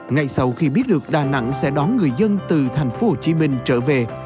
ngay sau khi biết được đà nẵng sẽ đón người dân từ thành phố hồ chí minh trở về